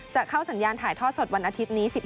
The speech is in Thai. จะเข้าสัญญาณถ่ายทอดสดวันอาทิตย์นี้